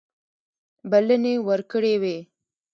بلنې ورکړي وې.